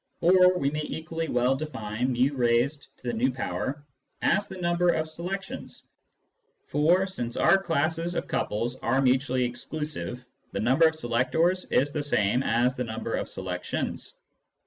Or we may equally well define fi/ as the number of selections, for, since our classes of couples are mutually exclusive, the number of selectors is the same as the number of selections.